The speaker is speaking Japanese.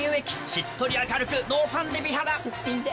しっとり明るくノーファンデ美肌すっぴんで。